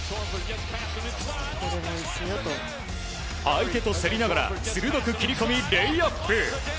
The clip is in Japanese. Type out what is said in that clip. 相手と競りながら鋭く切り込みレイアップ。